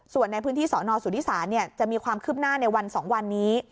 ส่วนในพื้นที่สนสุธิศาลจะมีความคืบหน้าในวัน๒วันนี้